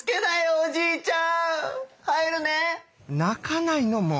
おじいちゃん！